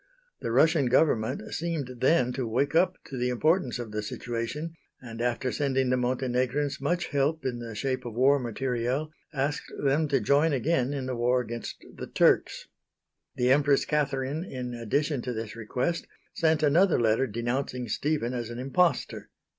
The Russian government seemed then to wake up to the importance of the situation, and, after sending the Montenegrins much help in the shape of war material, asked them to join again in the war against the Turks. The Empress Catherine in addition to this request, sent another letter denouncing Stephen as an impostor.